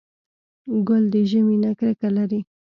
ګل د ژمي نه کرکه لري.